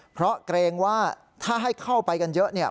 เพราะเกรงว่าถ้าให้เข้าไปกันเยอะเนี่ย